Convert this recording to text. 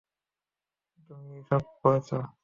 তুমি এই সবকিছুই করেছ।